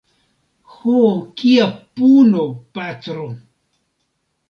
Ho, kia puno, patro!